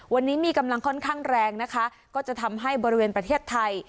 วันนี้มีกำลังค่อนข้างแรงนะคะก็จะทำให้บริเวณประเทศไทย